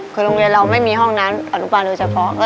คือโรงเรียนเราไม่มีห้องน้ำอนุบาลโดยเฉพาะ